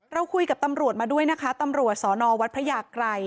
เราคุยกับตำรวจมาด้วยนะคะตำรวจสอนอวัดพระยากรัย